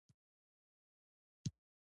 شفتالو یو خوندوره مېوه ده